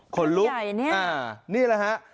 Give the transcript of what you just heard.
ขนลุกนี่แหละฮะ